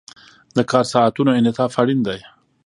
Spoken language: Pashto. د کار ساعتونو انعطاف اړین دی.